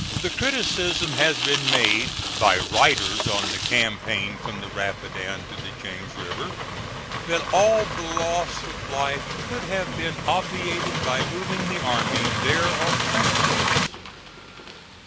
The criticism has been made by writers on the campaign from the Rapidan to the James River that all the loss of life could have been obviated by moving the army there on transports.